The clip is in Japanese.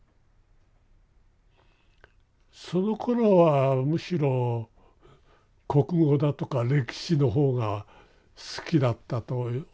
そのころはむしろ国語だとか歴史の方が好きだったと思います。